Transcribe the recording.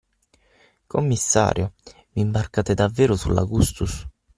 Commissario, v’imbarcate davvero sull’Augustus?